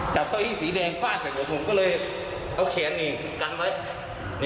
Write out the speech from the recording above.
จับโก้อี้สีแดงคลั่นแต่หัวผมก็เลยเอาเขียนมีกันไว้